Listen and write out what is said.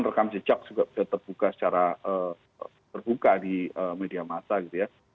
bisa mengecak bisa terbuka secara terbuka di media massa gitu ya